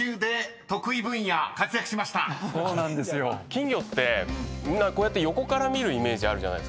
金魚ってみんな横から見るイメージあるじゃないですか。